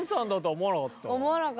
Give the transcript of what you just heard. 思わなかった。